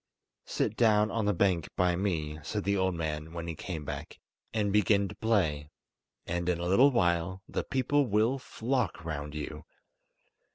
"Sit down on the bank by me," said the old man, when he came back, "and begin to play, and in a little while the people will flock round you."